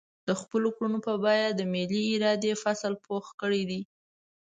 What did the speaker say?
د خپلو کړاوونو په بيه د ملي ارادې فصل پوخ کړی دی.